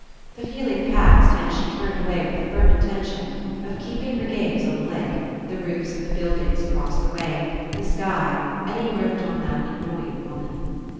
The feeling passed, and she turned away with the firm intention of keeping her 19 PASSING gaze on the lake, the roofs of the buildings across the way, the sky, anywhere but on that annoying woman.